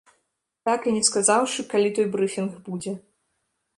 Так і не сказаўшы, калі той брыфінг будзе.